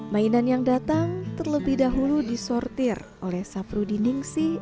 mainan yang datang terlebih dahulu disortir oleh safrudiningsi